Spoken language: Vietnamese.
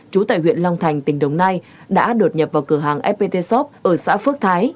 trú tại huyện long thành tỉnh đồng nai đã đột nhập vào cửa hàng fpt shop ở xã phước thái